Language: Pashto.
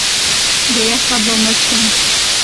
د یخه به مړ شم!